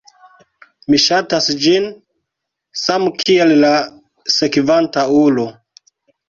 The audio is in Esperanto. Mi sxatas ĝin, same kiel la sekvanta ulo